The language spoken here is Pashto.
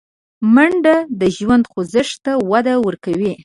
منډه د ژوند خوځښت ته وده ورکوي